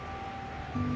ya tuhan kami berdoa